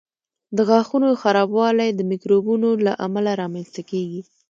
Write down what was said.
د غاښونو خرابوالی د میکروبونو له امله رامنځته کېږي.